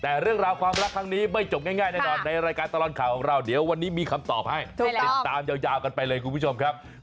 แต่เรื่องราวความรักครั้งนี้ไม่จบง่ายแน่นอนในรายการตลอดข่าวของเราเดี๋ยววันนี้มีคำตอบให้ติดตามยาวกันไปเลยคุณผู้ชมครับ